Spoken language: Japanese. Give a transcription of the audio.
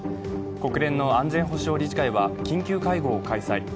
国連の安全保障理事会は緊急会合を開催。